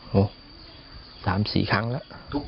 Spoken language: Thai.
โหสามสี่ครั้งแล้ว